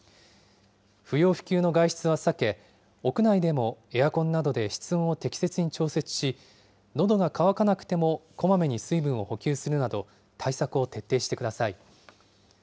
不要不急の外出は避け、屋内でもエアコンなどで室温を適切に調節し、のどが渇かなくても、こまめに水分を補給するなど、対策を徹底してください。